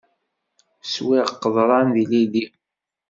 Swiɣ qeḍran d yilili.